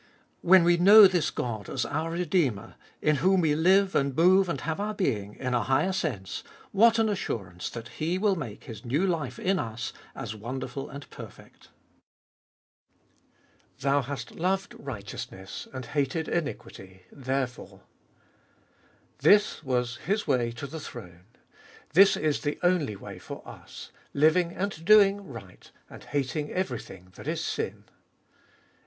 When we know this God as our Redeemer, " in whom we live and move and have our being " in a higher sense, what an assurance that He will make His new life in us as wonderful and perfect. 2. "Thou hast loved righteousness and hate.d iniquity, therefore "... This was His way to the throne ; this Is the only way for us, living and doing right, and hating everything that is sin.